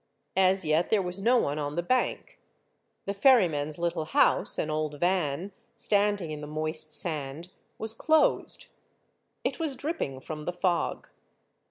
As yet there was no one on the bank. The ferry man's little house, an old van, standing in the moist sand, was closed. It was dripping from the fog.